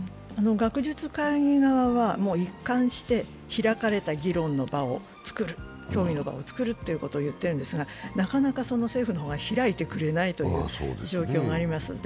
学術会議側は一貫して開かれた議論の場を作る、協議の場を作ると言っているんですがなかなか政府の方が開いてくれないという状況があります。